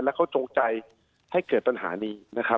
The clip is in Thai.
แล้วเขาจงใจให้เกิดปัญหานี้นะครับ